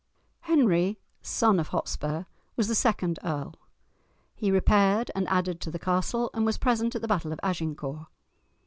Henry, son of "Hotspur," was the second earl. He repaired and added to the castle and was present at the battle of Agincourt.